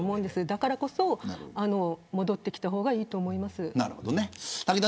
だからこそ戻ってきた方がいいと思います。